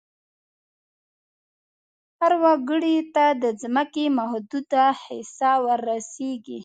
هر وګړي ته د ځمکې محدوده حصه ور رسیږي.